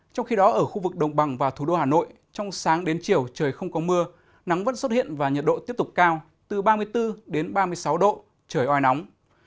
trong khi đó ở khu vực đồng bằng và thủ đô hà nội trong sáng đến chiều trời không có mưa nắng vẫn xuất hiện và nhiệt độ tiếp tục cao từ ba mươi bốn đến ba mươi sáu độ trời oi nóng